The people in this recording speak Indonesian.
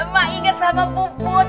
mak inget sama puput